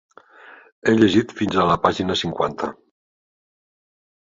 He llegit fins a la pàgina cinquanta.